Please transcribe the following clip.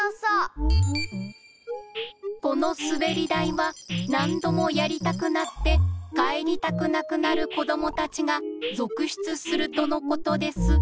このすべりだいはなんどもやりたくなってかえりたくなくなるこどもたちがぞくしゅつするとのことです